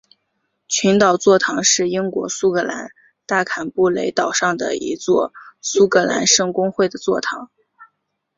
群岛座堂是英国苏格兰大坎布雷岛上的一座苏格兰圣公会的座堂。